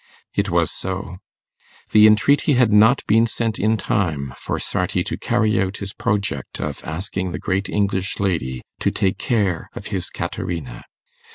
It was so. The entreaty had not been sent in time for Sarti to carry out his project of asking the great English lady to take care of his Caterina.